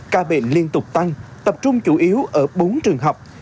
ca bệnh liên tục tăng tập trung chủ yếu ở bốn trường học